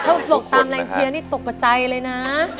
ถ้าบอกตามแรงเชียร์นี่ตกกระใจเลยนะ